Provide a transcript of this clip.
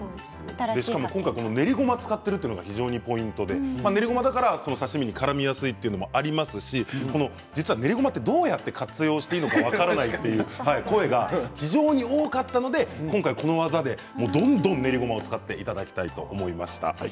今回練りごまを使ってるのがポイントで、練りごまだから刺身にからみやすいということもありますし実は、練りごまはどうやって活用したらいいのか分からないという声が非常に多かったので今回この技でどんどん練りごまを使っていただきたいと思いました。